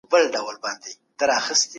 د اسلام مبارک دين زموږ د پلار او نیکه دین دی.